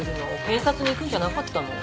検察に行くんじゃなかったの？